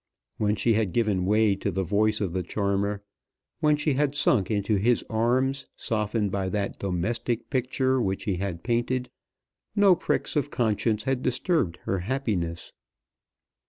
When she had given way to the voice of the charmer, when she had sunk into his arms, softened by that domestic picture which he had painted, no pricks of conscience had disturbed her happiness.